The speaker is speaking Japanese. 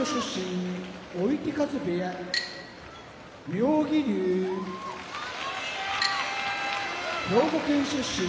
妙義龍兵庫県出身